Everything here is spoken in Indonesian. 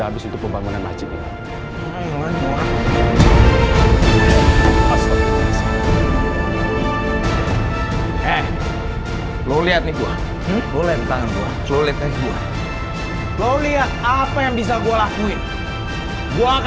aku ingat kamu untuk hancurkan masjid ini mas